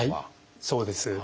そうです。